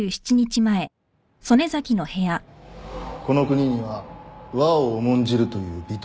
この国には和を重んじるという美徳がある。